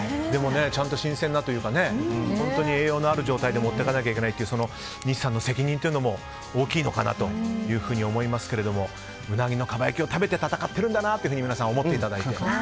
ちゃんと新鮮なというか栄養のある状態で持っていかなきゃいけないという西さんの責任も大きいのかなと思いますけれどもウナギのかば焼きを食べて戦ってるんだなと皆さん、思っていただいて。